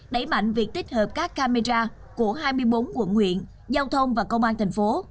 đẩy mạnh việc tích hợp các camera của hai mươi bốn quận huyện giao thông và công an thành phố